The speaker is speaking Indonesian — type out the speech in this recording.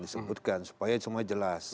disebutkan supaya semuanya jelas